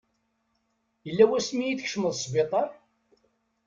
Yella wasmi i tkecmeḍ sbiṭar?